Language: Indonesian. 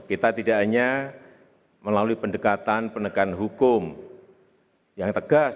kita tidak hanya melalui pendekatan pendekatan hukum yang tegas